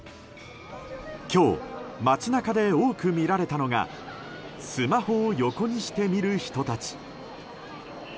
今日、街中で多く見られたのがスマホを横にして見る人たち。